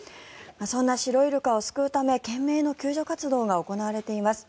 そんなシロイルカを救うため懸命の救助活動が行われています。